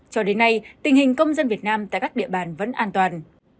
cho đến nay tình hình công dân việt nam tại các địa bàn vẫn an toàn